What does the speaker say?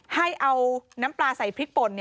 ให้เอาน้ำปลาใส่พริกป่น